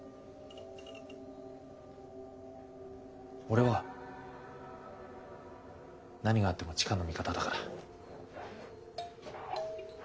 俺は何があっても千佳の味方だから。